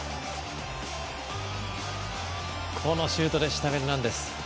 このシュートでしたフェルナンデス。